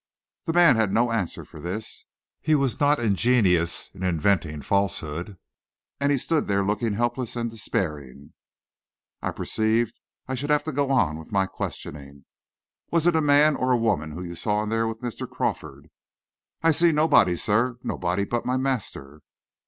The man had no answer for this. He was not ingenious in inventing falsehood, and he stood looking helpless and despairing. I perceived I should have to go on with my questioning. "Was it a man or a woman you saw in there with Mr. Crawford?" "I see nobody, sir, nobody but my master."